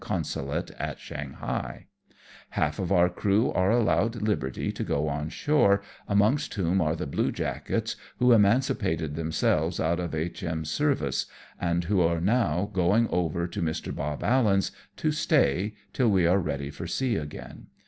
Consulate at Shanghai. Half of 76 AMONG TYPHOONS AND PIRATE CRAFT. our crew are allowed liberty to go on shore, amongst whom are the bluejackets who emancipated themselves out of H.M. service, and who are now going over to Mr. Bob Allen's, to stay till we are ready for sea again.